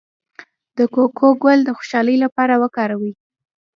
د کوکو ګل د خوشحالۍ لپاره وکاروئ